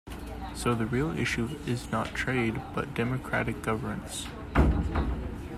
So the real issue is not 'trade' but democratic governance.